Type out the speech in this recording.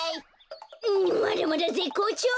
うんまだまだぜっこうちょう！